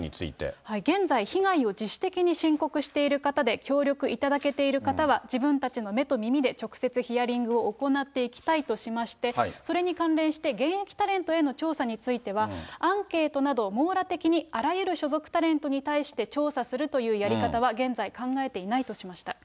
現在、被害を自主的に申告している方で、協力いただけてる方は自分たちの目と耳で直接ヒアリングを行っていきたいとしまして、それに関連して現役タレントへの調査については、アンケートなど網羅的にあらゆる所属タレントに対して調査するというやり方は現在、考えていないとしました。